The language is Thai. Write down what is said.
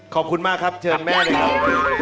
ขอบคุณมากครับเชิญแม่เลยครับ